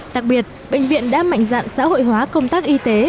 đặc biệt bệnh viện đã mạnh dạng xã hội hóa công tác y tế